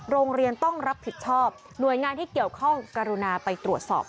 โรงเรียนต้องรับผิดชอบหน่วยงานที่เกี่ยวข้องกรุณาไปตรวจสอบ